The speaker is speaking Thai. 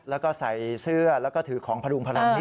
แล้วก็ใส่เสื้อแล้วก็ถือของพรุงพลังนิด